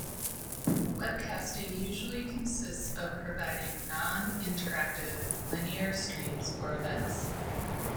Webcasting usually consists of providing non-interactive linear streams or events.